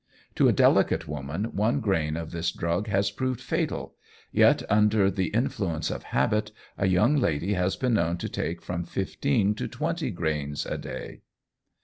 To a delicate woman one grain of this drug has proved fatal, yet, under the influence of habit, a young lady has been known to take from 15 to 20 grains daily.